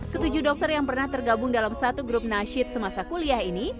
ketujuh dokter yang pernah tergabung dalam satu grup nasyid semasa kuliah ini